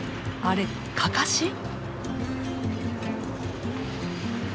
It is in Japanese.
あれかかし？